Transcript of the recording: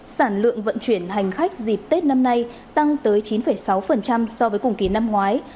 sản lượng vận chuyển hành khách dịp tết năm nay tăng tới chín sáu so với cùng kỳ năm ngoái